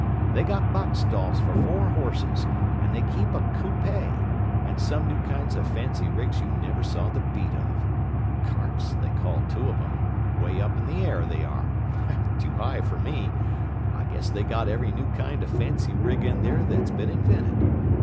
They got box stalls for four horses, and they keep a coupay, and some new kinds of fancy rigs you never saw the beat of! 'Carts' they call two of 'em—'way up in the air they are—too high for me! I guess they got every new kind of fancy rig in there that's been invented.